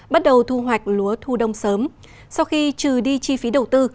bắt đầu thu hoạch lúa thu đông sớm sau khi trừ đi chi phí đầu tư